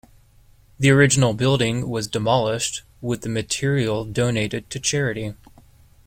The original building was demolished, with the material donated to charity.